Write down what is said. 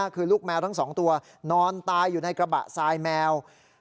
คือลูกแมวทั้ง๒ตัวนอนตายอยู่ในกระบะทรายแมว